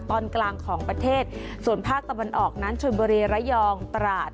ตอนกลางของประเทศส่วนภาคตะวันออกนั้นชนบุรีระยองตราด